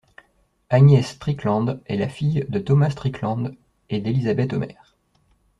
Agnes Strickland est la fille de Thomas Strickland et d'Elizabeth Homer.